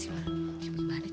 joget gak boleh juga bu